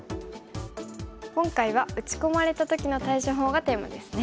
今回は打ち込まれた時の対処法がテーマですね。